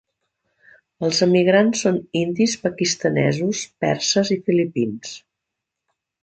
Els emigrants són indis, pakistanesos, perses i filipins.